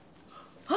あ！